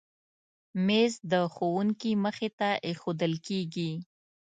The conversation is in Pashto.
مېز د ښوونکي مخې ته ایښودل کېږي.